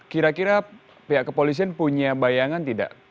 kira kira pihak kepolisian punya bayangan tidak